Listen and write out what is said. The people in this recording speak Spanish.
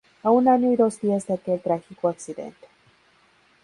A un año y dos días de aquel trágico accidente.